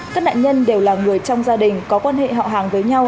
các nạn nhân đều là người trong gia đình có quan hệ họ hàng với nhau